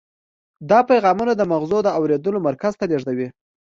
دا پیغامونه د مغزو د اورېدلو مرکز ته لیږدوي.